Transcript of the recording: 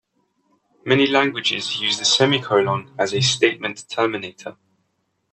Many languages use the semicolon as a statement terminator.